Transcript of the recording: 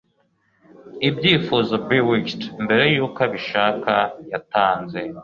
Ibyifuzo bewitchd mbere yuko abishaka yatanze